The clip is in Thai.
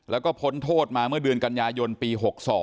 แล้วก็พ้นโทษมาเมื่อเดือนกันยายนปี๖๒